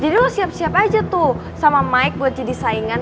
jadi lo siap siap aja tuh sama mike buat jadi saingan